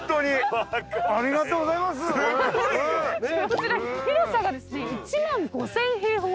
こちら広さがですね１万５，０００平方ｍ。